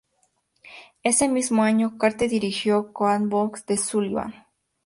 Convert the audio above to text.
Ese mismo año, Carte dirigió "Cox and Box" de Sullivan.